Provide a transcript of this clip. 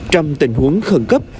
trong tình huống khó khăn